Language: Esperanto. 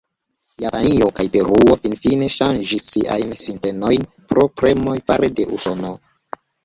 Japanio kaj Peruo finfine ŝanĝis siajn sintenojn pro premoj fare de Usono.